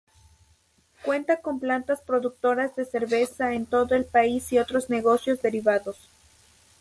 Cuenta con plantas productoras de cerveza en todo el país y otros negocios derivados.